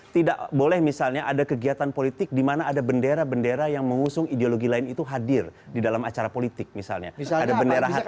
tidak boleh misalnya ada kegiatan politik di mana ada bendera bendera yang mengusung ideologi lain itu hadir di dalam acara politik misalnya ada bendera hati